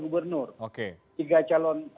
gubernur tiga calon